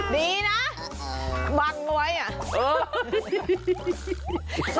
ดีนะบังไว้อ่ะ